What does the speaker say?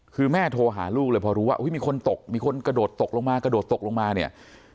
คือแม่โทรหาลูกเลยพอรู้ว่ามีคนตกมีคนกระโดดตกลงมากระโดดตกลงมาเนี่ย